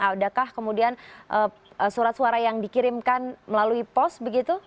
adakah kemudian surat suara yang dikirimkan melalui pos begitu